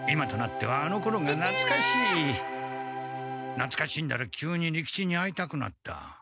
なつかしんだら急に利吉に会いたくなった。